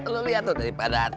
lo liat tuh daripada